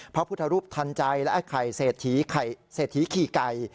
พระพุทธรูปทันใจและไอ้ไข่เศรษฐีขี่ไก่